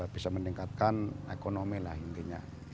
bisa meningkatkan ekonomi lah intinya